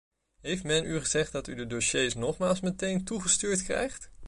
Heeft men u gezegd dat u de dossiers nogmaals meteen toegestuurd krijgt?